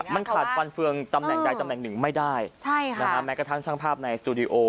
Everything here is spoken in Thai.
มันขาดฟันเฟืองตำแหน่งใดตำแหน่งหนึ่งไม่ได้ใช่ค่ะนะฮะแม้กระทั่งช่างภาพในสตูดิโอ